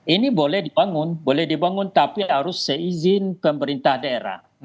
ini boleh dibangun boleh dibangun tapi harus seizin pemerintah daerah